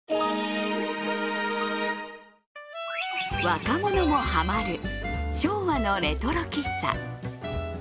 若者もハマる、昭和のレトロ喫茶